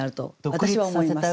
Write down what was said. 私は思います。